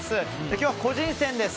今日は個人戦です。